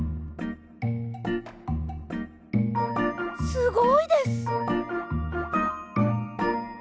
すごいです！